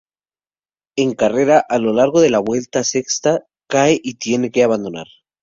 En carrera, a lo largo de la vuelta sexta cae y tiene que abandonar.